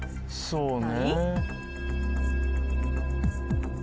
そうね。